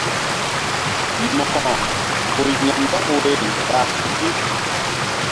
Mo̧ko ur ya̧ ndɔk woyri ɓa suki.